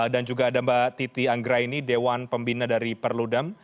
dan juga ada mbak titi anggraini dewan pembina dari perludem